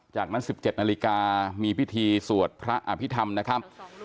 จากนั้น๑๗นาฬิกามีพิธีสวดพระอภิษฐรรมนะครับ